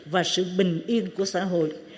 và sự bình yên của xã hội